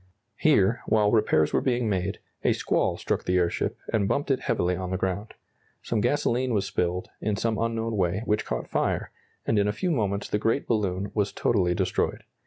Here, while repairs were being made, a squall struck the airship and bumped it heavily on the ground. Some gasoline was spilled, in some unknown way, which caught fire, and in a few moments the great balloon was totally destroyed.